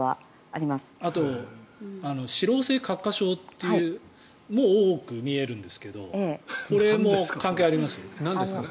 あと脂漏性角化症も多く見えるんですけどそれも関係ありますか？